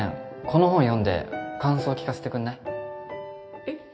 この本読んで感想聞かせてくんえ？